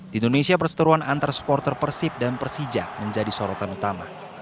di indonesia perseteruan antar supporter persib dan persija menjadi sorotan utama